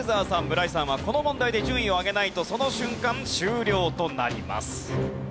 村井さんはこの問題で順位を上げないとその瞬間終了となります。